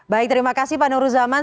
baik terima kasih pak nur ruzaman